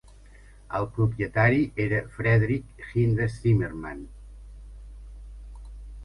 El propietari era Frederick Hinde Zimmerman.